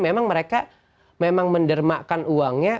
memang mereka memang mendermakan uangnya